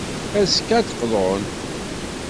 Azekka, ad d-qḍun.